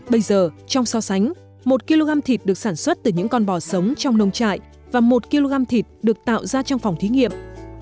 bây giờ trong so sánh một kg thịt được sản xuất từ những con bò sống trong nông trại và một kg thịt được tạo ra trong phòng thí nghiệm